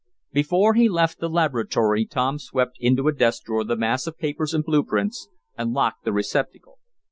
Before he left the laboratory Tom swept into a desk drawer the mass of papers and blue prints, and locked the receptacle.